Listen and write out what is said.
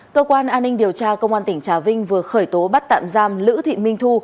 cơ quan an ninh điều tra công an tỉnh trà vinh vừa khởi tố bắt tạm giam lữ thị minh thu